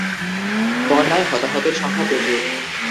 বন্যায় হতাহতের সংখ্যা প্রচুর।